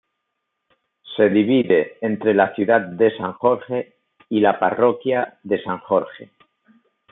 Se divide entre la ciudad de San Jorge y la parroquia de San Jorge.